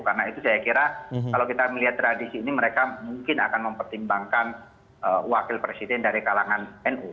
karena itu saya kira kalau kita melihat tradisi ini mereka mungkin akan mempertimbangkan wakil presiden dari kalangan nu